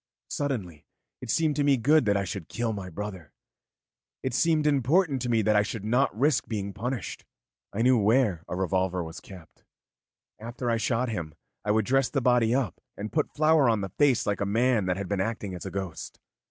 Suddenly it seemed to me good that I should kill my brother. It seemed important to me that I should not risk being punished. I knew where a revolver was kept; after I had shot him, I would dress the body up and put flour on the face like a man that had been acting as a ghost.